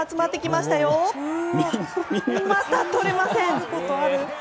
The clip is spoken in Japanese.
またとれません！